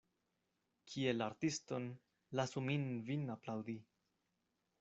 Kiel artiston lasu min vin aplaŭdi.